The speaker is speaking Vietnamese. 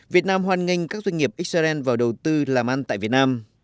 việt nam hoàn nghênh các doanh nghiệp xrn vào đầu tư làm ăn tại việt nam